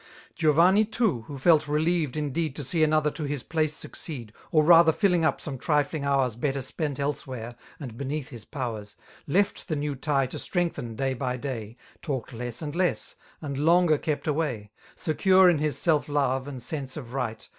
Giovanni too^ yrho felt relieved indeed To see another to his place succeed^ Or rather filling up some trifling hours Better spent elsewhere^ and beneath his powers^ Left the new tie to strengthen day \j day. Talked less and less, and h>nger kept away. Secure in his self love and sense of right.